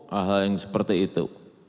hal hal yang seperti itu